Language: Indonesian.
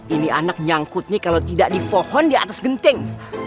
ini anak nyangkut nih kalau tidak di pohon di atas genting